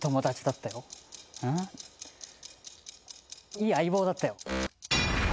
「いい相棒だったよ」